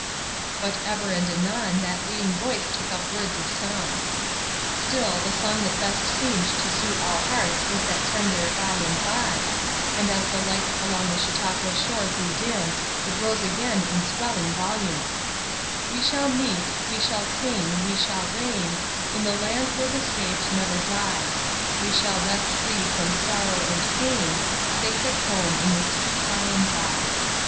But ever and anon that leading voice took up words of song. Still the song that best seemed to suit all hearts was that tender "By and by," and as the lights along the Chautauqua shore grew dim it rose again in swelling volume: "We shall meet, we shall sing, we shall reign, In the land where the saved never die; We shall rest free from sorrow and pain, Safe at home in the sweet by and by."